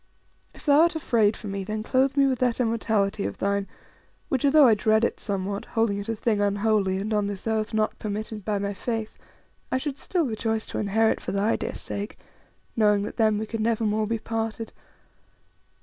If thou art afraid for me, then clothe me with that immortality of thine, which, although I dread it somewhat, holding it a thing unholy, and, on this earth, not permitted by my Faith, I should still rejoice to inherit for thy dear sake, knowing that then we could never more be parted.